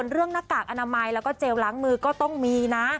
หน้ากากอนามัยแล้วก็เจลล้างมือก็ต้องมีนะ